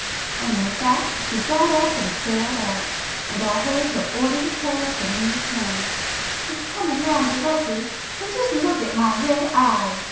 And with that she got up and sailed out,—and I heard her order the carriage for me at ten. It's coming round directly, and just look at my red eyes!